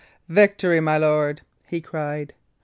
"Victory, my lord," he cried.